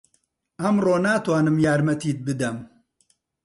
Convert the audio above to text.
ئەمڕۆ ناتوانم یارمەتیت بدەم.